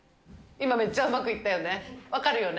今、めっちゃうまくいったよね、分かるよね。